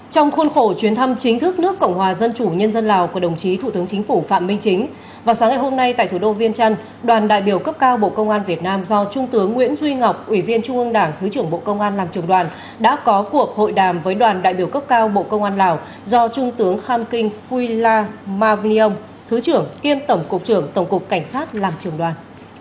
trong khuôn khổ chuyến thăm chính thức nước cộng hòa dân chủ nhân dân lào của đồng chí thủ tướng chính phủ phạm minh chính vào sáng ngày hôm nay tại thủ đô viên trăn đoàn đại biểu cấp cao bộ công an việt nam do trung tướng nguyễn duy ngọc ủy viên trung ương đảng thứ trưởng bộ công an làm trường đoàn đã có cuộc hội đàm với đoàn đại biểu cấp cao bộ công an lào do trung tướng kham kinh phuy la ma vinh nhông thứ trưởng kiêm tổng cục trưởng tổng cục cảnh sát làm trường đoàn